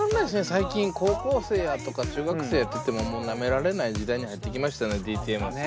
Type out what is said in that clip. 最近高校生やとか中学生っていってももうなめられない時代に入ってきましたよねＤＴＭ。